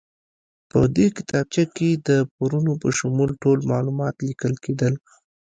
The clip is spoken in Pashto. په دې کتابچه کې د پورونو په شمول ټول معلومات لیکل کېدل.